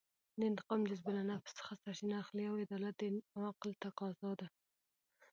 د انتقام جذبه له نفس څخه سرچینه اخلي او عدالت د عقل تفاضا ده.